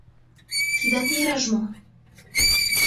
Тидат мираж мо?